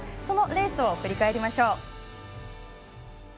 そのレースを振り返りましょう。